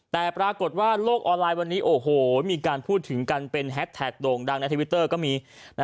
แต่ปรากฏว่าโลกออนไลน์วันนี้โอ้โหมีการพูดถึงกันเป็นแฮสแท็กโด่งดังในทวิตเตอร์ก็มี